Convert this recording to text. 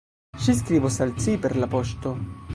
Ŝi skribos al ci per la poŝto.